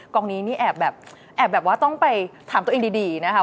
กองนี้นี่แอบแบบแอบแบบว่าต้องไปถามตัวเองดีนะคะ